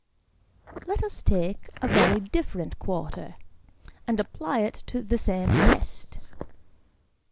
Let us take a very different quarter, and apply it to the same test.